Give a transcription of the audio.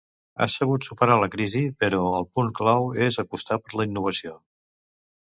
Han sabut superar la crisi, però el punt clau és apostar per la innovació.